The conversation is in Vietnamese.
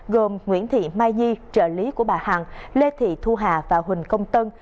gồm nguyễn thị mai nhi trợ lý của bà hằng lê thị thu hà và huỳnh công tân